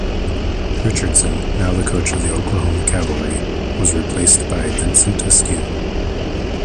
Richardson, now the coach of the Oklahoma Cavalry, was replaced by Vincent Askew.